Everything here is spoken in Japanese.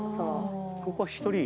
ここは１人？